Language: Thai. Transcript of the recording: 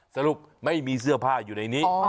สรุปไม่มีเสื้อผ้าอยู่ในนี้